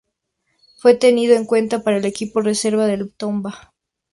Fue tenido en cuenta para el equipo "reserva" del "Tomba".